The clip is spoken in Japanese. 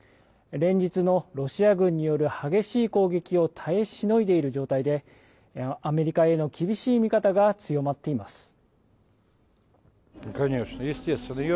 連日のロシア軍による激しい攻撃を耐えしのいでいる状態で、アメリカへの厳しい見方が強まっています。